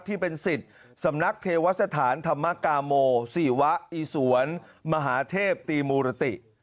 ที่เป็นสิทธิ์สำนักเทวสถานธรรมกาโมศิวะอีสวนมหาเทพตีมูรติ